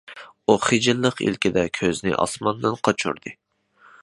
ئۇ خىجىللىق ئىلكىدە كۆزىنى ئاسماندىن قاچۇردى.